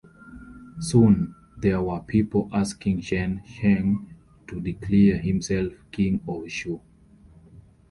Soon, there were people asking Chen Sheng to declare himself "King of Chu".